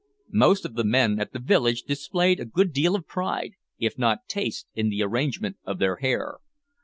Most of the men at the village displayed a good deal of pride, if not taste, in the arrangement of their hair.